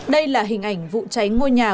đây là hình ảnh vụ cháy ngôi nhà